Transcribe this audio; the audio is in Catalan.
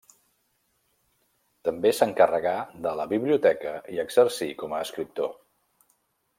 També s'encarregà de la biblioteca i exercí com a escriptor.